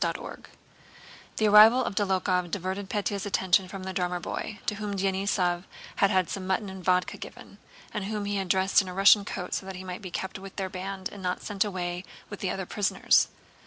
CHAPTER VIII The arrival of Dólokhov diverted Pétya's attention from the drummer boy, to whom Denísov had had some mutton and vodka given, and whom he had had dressed in a Russian coat so that he might be kept with their band and not sent away with the other prisoners.